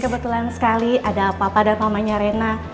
kebetulan sekali ada papa dan mamanya rena